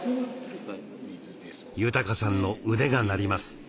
裕さんの腕が鳴ります。